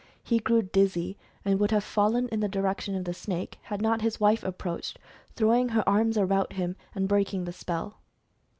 He grew dizzy and would have fallen in the di rection of the snake, had not his wife approached, throwing her arms about him, and breaking the spell.